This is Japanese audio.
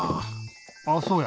あっそうや！